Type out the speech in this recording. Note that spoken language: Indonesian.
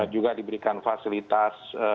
juga diberikan fasilitas